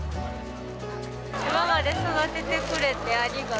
今まで育ててくれてありがとう。